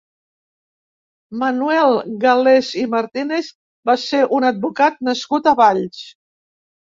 Manuel Galès i Martínez va ser un advocat nascut a Valls.